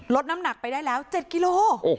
น้ำหนักไปได้แล้ว๗กิโล